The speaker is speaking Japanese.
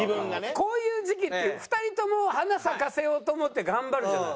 こういう時期って２人とも花咲かせようと思って頑張るじゃない？